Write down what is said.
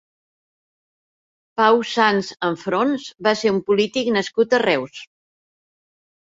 Pau Sans Anfrons va ser un polític nascut a Reus.